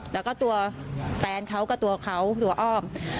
แล้วก็ตัวแฟนเขากับตัวเขาตัวอ้อม